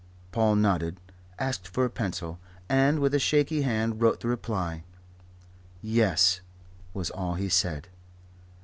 Paul nodded, asked for a pencil, and with a shaky hand wrote the reply. "Yes," was all he said.